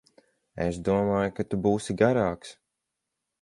Es domāju, ka tu būsi garāks.